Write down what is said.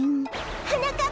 はなかっ